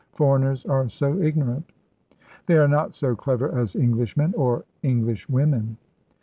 Foreigners are so ignorant." "They are not so clever as Englishmen or Englishwomen."